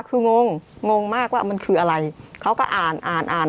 คืองงงงมายความคืออะไรเค้าก็อ่านอ่านอ่านให้เราฟัง